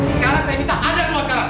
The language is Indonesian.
sekarang saya minta ada atau tidak sekarang